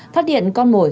phát hiện con mồi